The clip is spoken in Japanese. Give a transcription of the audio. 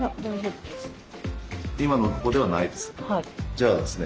今のとこではないですね？